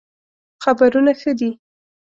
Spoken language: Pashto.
خبرونه ښه دئ